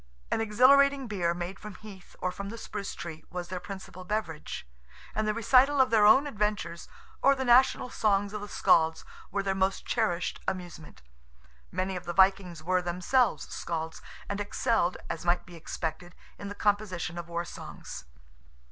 An exhilarating beer, made from heath, or from the spruce tree, was their principal beverage, and the recital of their own adventures, or the national songs of the Scalds, were their most cherished amusement. Many of the Vikings were themselves Scalds, and excelled, as might be expected, in the composition of war songs.